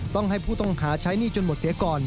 ต้องให้ผู้ต้องหาใช้หนี้จนหมดเสียก่อน